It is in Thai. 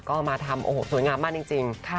ก็มาทำโอ้โหสวยงามมากจริง